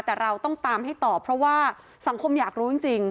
แต่เราต้องตามให้ต่อเพราะว่าสังคมอยากรู้จริง